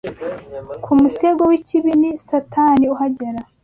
Ku musego w'ikibi ni Satani uhagera